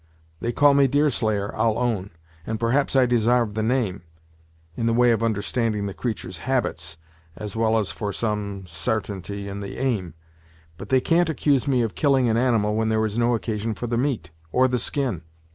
They call me Deerslayer, I'll own, and perhaps I desarve the name, in the way of understanding the creatur's habits, as well as for some sartainty in the aim, but they can't accuse me of killing an animal when there is no occasion for the meat, or the skin.